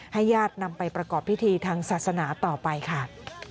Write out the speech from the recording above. ญาตินำไปประกอบพิธีทางศาสนาต่อไปค่ะ